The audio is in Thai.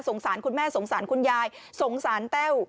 สารคุณแม่สงสารคุณยายสงสารแต้ว